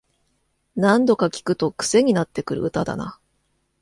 何度か聴くとクセになってくる歌だな